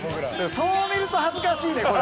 そう見ると恥ずかしいねこれ。